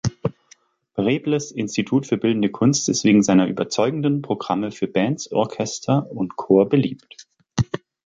Prebles Institut für Bildende Kunst ist wegen seiner überzeugenden Programme für Bands, Orchester und Chor beliebt.